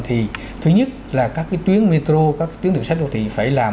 thì thứ nhất là các cái tuyến metro các cái tuyến đường sách đô thị phải làm